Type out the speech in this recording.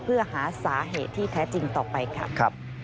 เพื่อหาสาเหตุที่แท้จริงต่อไปค่ะ